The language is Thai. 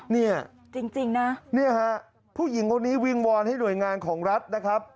เนี่ยจริงนะเนี่ยฮะผู้หญิงคนนี้วิงวอนให้หน่วยงานของรัฐนะครับ